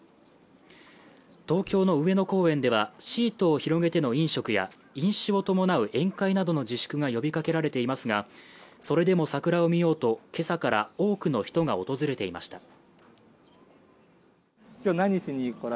東京の上野公園ではシートを広げての飲食や飲酒を伴う宴会などの自粛が呼びかけられていますが、それでも桜を見ようと、今朝から多くの人が訪れていました。